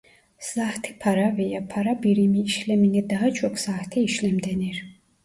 Sahte para veya para birimi işlemine daha çok sahte işlem denir.